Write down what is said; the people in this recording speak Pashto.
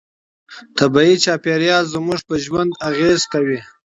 طبيعي چاپيريال زموږ په ژوند اغېز کوي.